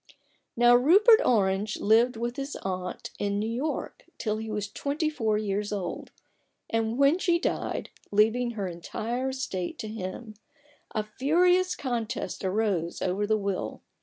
Now Rupert Orange lived with his aunt in New York till he was twenty four years old, and when she died, leaving her entire estate THE BARGAIN OF RUPERT ORANGE. J to him, a furious contest arose over the will.